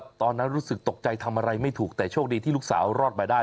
ตอนนั้นรู้สึกตกใจทำอะไรไม่ถูกแต่โชคดีที่ลูกสาวรอดมาได้